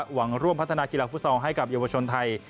หวังร่วมพัฒนากีฬาฟุตซอลให้กับเยาวชนไทย